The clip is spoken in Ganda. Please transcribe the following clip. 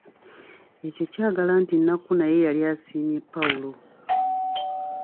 Ekyo kyalaga nti Nakku naye yali asiimye Paulo.